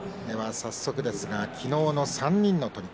早速ですが、昨日の３人の取組